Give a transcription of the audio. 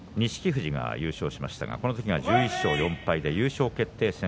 富士が優勝しましたがこの時は１１勝４敗優勝決定戦。